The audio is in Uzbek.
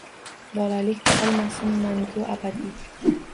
Bolalik qolmasin mangu, abadiy.